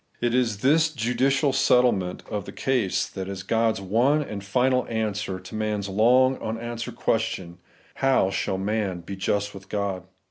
It is this jvdidal settle ment of the case that is God's one and final answer to man's long unanswered question, ' How shall man be just with God